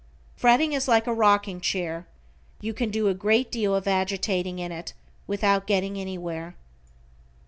Fretting is like a rocking chair, you can do a great deal of agitating in it without getting anywhere.